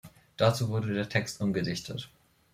Dazu wurde der Text umgedichtet.